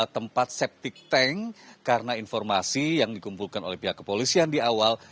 tempat septic tank karena informasi yang dikumpulkan oleh pihak kepolisian di awal